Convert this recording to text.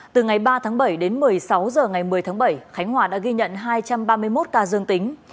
từ ngày ba tháng bảy đến một mươi sáu h ngày một mươi tháng bảy khánh hòa đã ghi nhận hai trăm ba mươi một ca dương tính